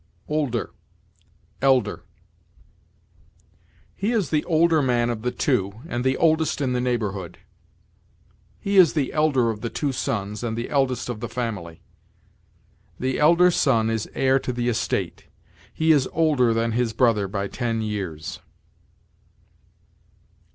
OLDER ELDER. "He is the older man of the two, and the oldest in the neighborhood." "He is the elder of the two sons, and the eldest of the family." "The elder son is heir to the estate; he is older than his brother by ten years."